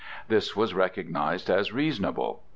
This was recognized as reasonable.